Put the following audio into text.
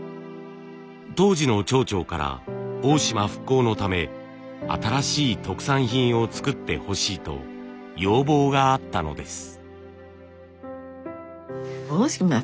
当時の町長から大島復興のため新しい特産品を作ってほしいと要望があったのです。